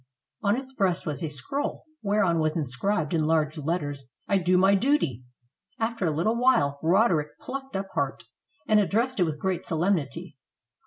On its breast was a scroll, whereon was inscribed, in large letters, "I do my duty." After a little while Roderick plucked up heart, and addressed it with great solemnity.